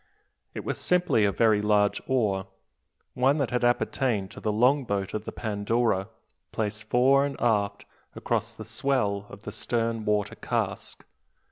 It was simply a very large oar, one that had appertained to the longboat of the Pandora, placed fore and aft across the swell of the stern water cask.